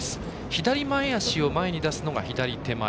左前脚を前に出すのが左手前。